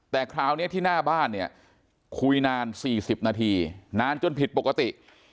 แต่คราวนี้ที่หน้าบ้านเนี่ยคุยนาน๔๐นาทีนานจนผิดปกติ